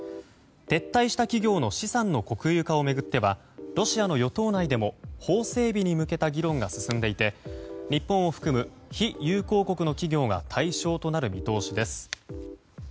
撤退した企業の資産の国有化を巡ってはロシアの与党内でも法整備に向けた議論が進んでいて日本を含む非友好国の企業が対象となる見通しです。